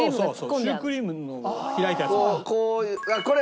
シュークリームの開いたやつみたいな。